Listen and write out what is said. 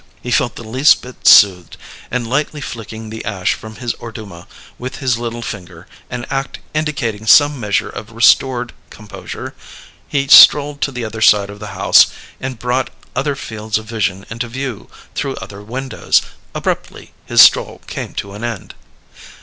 He felt the least bit soothed, and, lightly flicking the ash from his Orduma with his little finger, an act indicating some measure of restored composure, he strolled to the other side of the house and brought other fields of vision into view through other windows. Abruptly his stroll came to an end.